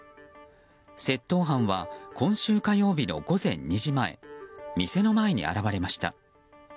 窃盗犯は今週火曜日の午前２時前店の前に現れました。